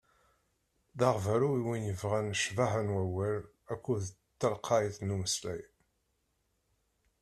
D aɣbalu i win yebɣan ccbaḥa n wawal akked telqayt n umeslay.